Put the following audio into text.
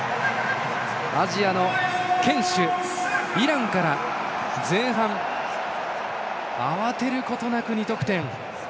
アジアの堅守イランから前半慌てることなく２得点。